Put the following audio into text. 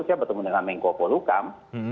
saya bertemu dengan menko polukam